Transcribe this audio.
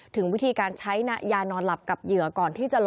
ถึงวิธีการใช้ยานอนหลับกับเหยื่อก่อนที่จะหล